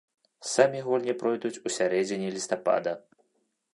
Самі гульні пройдуць ў сярэдзіне лістапада.